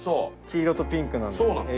黄色とピンクなんですね。